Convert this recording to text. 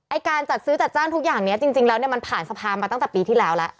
ไอ้การจัดซื้อจัดจ้านทุกอย่างเนี่ยจริงแล้วมันผ่านสภามาตั้งแต่ปีที่แล้วละ